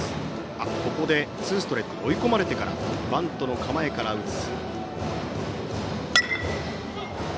ここでツーストライク追い込まれてからバントの構えから打つ。